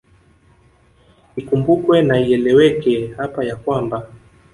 Ikumbukwe na ieleweke hapa ya kwamba